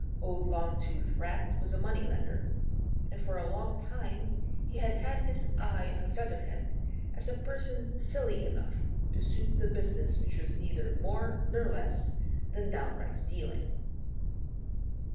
Old Longtooth Rat was a money lender, and for a long time he had had his eye on Featherhead as a person silly enough to suit the business which was neither more nor less than downright stealing.